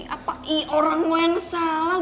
apa i orang mau yang salah